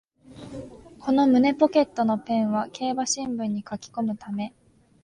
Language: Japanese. この胸ポケットのペンは競馬新聞に書きこむため